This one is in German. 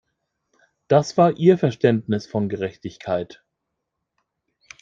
Das war ihr Verständnis von Gerechtigkeit.